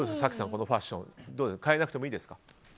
このファッション変えなくてもいいですか？